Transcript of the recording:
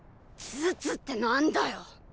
つつって何だよ。